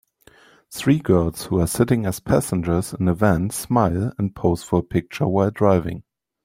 Three girls who are sitting as passengers in a van smile and pose for a picture while driving